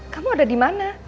kamu ada dimana